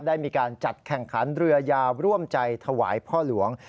ได้มีการจัดแข่งขันเรือยาวร่วมใจถวายพ่อหลวง